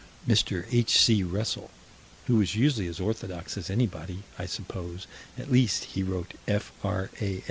Mr. H.C. Russell, who was usually as orthodox as anybody, I suppose at least, he wrote "F.R.A.